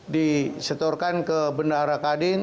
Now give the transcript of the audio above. disetorkan ke bendahara kadin